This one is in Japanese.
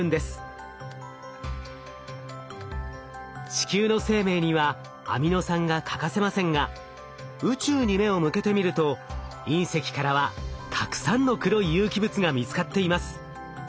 地球の生命にはアミノ酸が欠かせませんが宇宙に目を向けてみると隕石からはたくさんの黒い有機物が見つかっています。